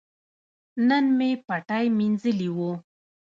نن مې پټی مینځلي وو.